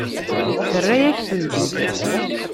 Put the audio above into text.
Terra-yak-tent-id.